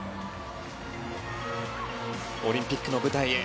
オリンピックの舞台へ。